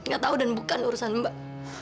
gak tahu dan bukan urusan mbak